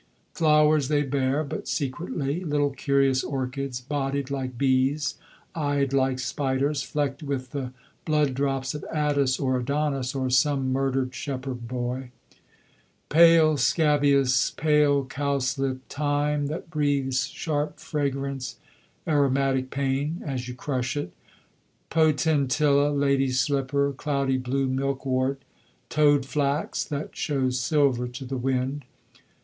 Flowers they bear, but secretly; little curious orchids, bodied like bees, eyed like spiders, flecked with the blood drops of Attis or Adonis or some murdered shepherd boy; pale scabious, pale cowslip, thyme that breathes sharp fragrance, "aromatic pain," as you crush it, potentilla, lady's slipper, cloudy blue milkwort, toad flax that shows silver to the wind.